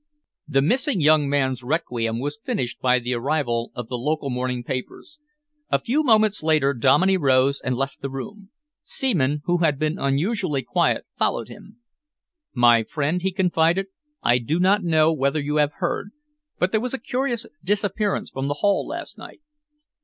The missing young man's requiem was finished by the arrival of the local morning papers. A few moments later Dominey rose and left the room. Seaman, who had been unusually silent, followed him. "My friend," he confided, "I do not know whether you have heard, but there was a curious disappearance from the Hall last night."